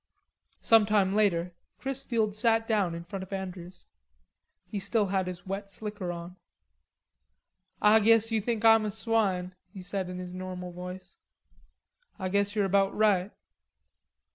Some time later Chrisfield sat down in front of Andrews. He still had his wet slicker on. "Ah guess you think Ah'm a swine," he said in his normal voice. "Ah guess you're about right."